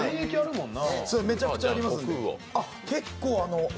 めちゃくちゃありますので。